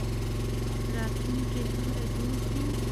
راتلونکی څنګه جوړ کړو؟